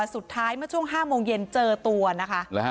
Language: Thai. สุดท้ายเมื่อช่วง๕โมงเย็นเจอตัวนะคะ